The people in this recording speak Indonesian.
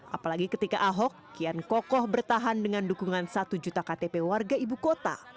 apalagi ketika ahok kian kokoh bertahan dengan dukungan satu juta ktp warga ibu kota